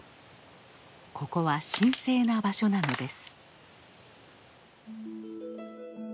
ここは神聖な場所なのです。